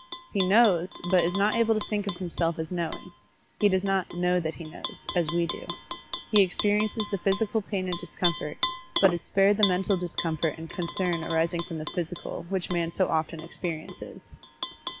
He "knows," but is not able to think of himself as knowing he does not "know that he knows," as we do. He experiences the physical pain and discomfort, but is spared the mental discomfort and concern arising from the physical, which man so often experiences.